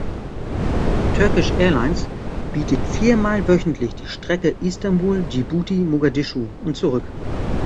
Turkish Airlines bietet viermal wöchentlich die Strecke Istanbul-Dschibuti-Mogadischu und zurück.